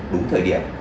đúng thời điểm